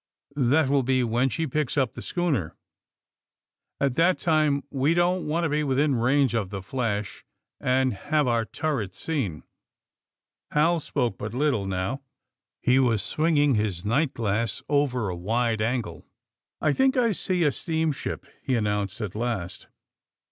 That will be when she picks up the schooner. At that time we don't want to be within range of the flash and have our turret seen. '' Hal spoke but little, now. He was swinging his night glass over a wide angle. ''I think I see a steamshijp," he announced at last.